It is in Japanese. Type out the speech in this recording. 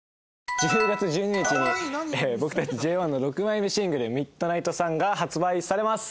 １０月１２日に僕たちＪＯ１の６枚目のシングル『ＭＩＤＮＩＧＨＴＳＵＮ』が発売されます。